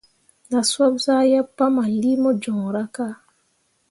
Na soɓ zah yeb pahmanlii mo joŋra ka.